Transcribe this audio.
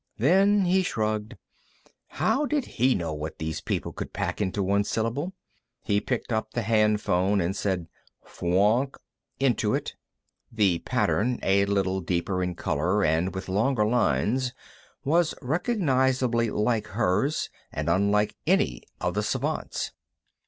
Then he shrugged. How did he know what these people could pack into one syllable? He picked up the hand phone and said, "Fwoonk," into it. The pattern, a little deeper in color and with longer lines, was recognizably like hers, and unlike any of the Svants'.